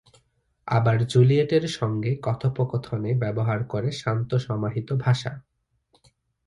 আবার জুলিয়েটের সঙ্গে কথোপকথনে ব্যবহার করে শান্ত সমাহিত ভাষা।